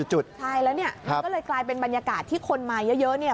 ใช่แล้วนี่ก็กลายเป็นบรรยากาศที่คนมาเยอะ